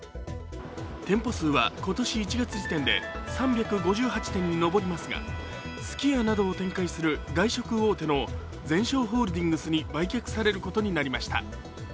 店舗数は今年１月時点で３５８店に上りますが、すき家などを展開する外食大手のゼンショーホールディングスに売却されることになりました。